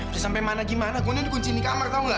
udah sampai mana gimana gue udah dikunciin di kamar tau gak